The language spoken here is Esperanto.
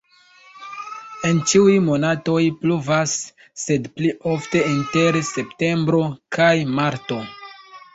En ĉiuj monatoj pluvas, sed pli ofte inter septembro kaj marto.